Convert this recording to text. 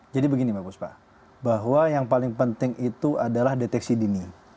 jadi begini mbak buspa bahwa yang paling penting itu adalah deteksi dini